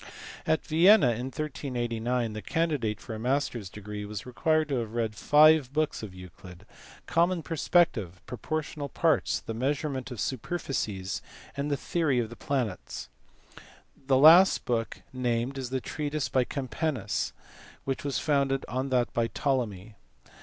At Vienna in 1389 the candidate for a master s degree was required to have read five books of Euclid, common perspec tive, proportional parts, the measurement of superficies, and the Theory of the Planets. The book last named is the treatise by Campanus which was founded on that by Ptolemy.